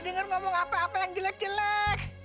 dengar ngomong apa apa yang jelek jelek